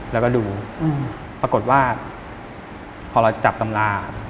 แล้วก็ดูปรากฏว่าพอเราจับตำรา